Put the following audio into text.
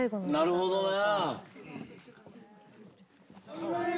なるほどな。